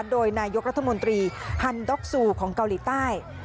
โดยนายกรัฐมนตรีฮันด็อกซูของเกาหลีใต้